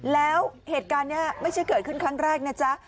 แล้วเหตุการณ์นี้ไม่ใช่เกิดขึ้นครั้งแรกนะจ๊ะ